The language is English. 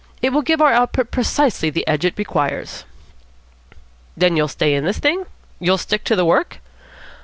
It will give our output precisely the edge it requires." "Then you'll stay in this thing? You'll stick to the work?"